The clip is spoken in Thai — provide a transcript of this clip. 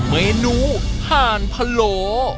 เมนูห่านพะโล